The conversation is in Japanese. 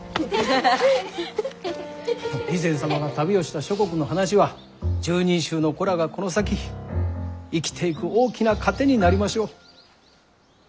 義仙様が旅をした諸国の話は拾人衆の子らがこの先生きていく大きな糧になりましょう。